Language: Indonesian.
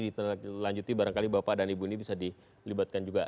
ditelanjuti barangkali bapak dan ibu ini bisa dilibatkan juga